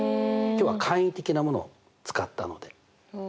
今日は簡易的なものを使ったので。